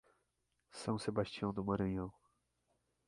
São Sebastião do Maranhão